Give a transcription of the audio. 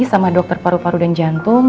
sama dokter paru paru dan jantung